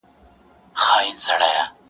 نه دچا خپل سوو نه پردي بس تر مطلبه پوري-